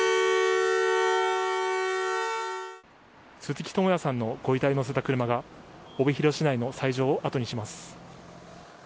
鈴木智也さんのご遺体を乗せた車が帯広市内の斎場をあとにします。